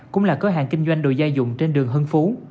cũng là cửa hàng kinh doanh đồ gia dụng trên đường hưng phú